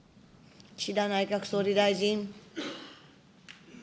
岸田内閣総理大臣。